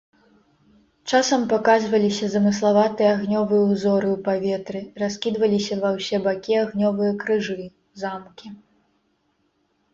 Часам паказваліся замыславатыя агнёвыя ўзоры ў паветры, раскідваліся ва ўсе бакі агнёвыя крыжы, замкі.